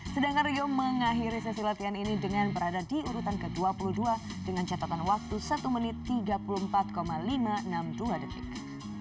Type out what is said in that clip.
sedangkan rio mengakhiri sesi latihan ini dengan berada di urutan ke dua puluh dua dengan catatan waktu satu menit tiga puluh empat lima ratus enam puluh dua detik